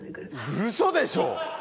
ウソでしょ！？